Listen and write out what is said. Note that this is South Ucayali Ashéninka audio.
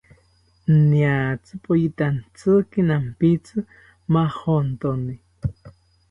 Niatzi poyitantziki nampitzi majontoni